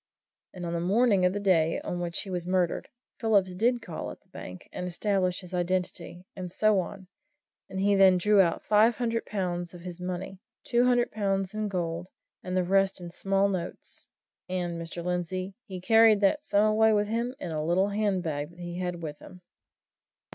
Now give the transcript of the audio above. And on the morning of the day on which he was murdered, Phillips did call at the bank and established his identity, and so on, and he then drew out five hundred pounds of his money two hundred pounds in gold, and the rest in small notes; and, Mr. Lindsey, he carried that sum away with him in a little handbag that he had with him."